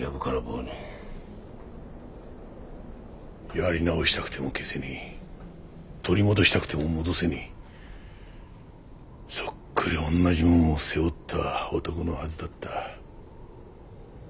やり直したくても消せねえ取り戻したくても戻せねえそっくりおんなじもんを背負った男のはずだった。